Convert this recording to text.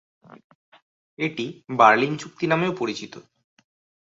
এটি বার্লিন চুক্তি নামেও পরিচিত।